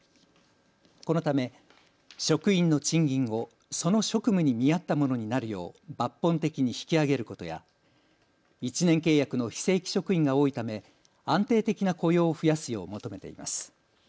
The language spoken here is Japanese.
このため職員の賃金をその職務に見合ったものになるよう抜本的に引き上げることや１年契約の非正規職員が多いため安定的な雇用を増やすよう求めています。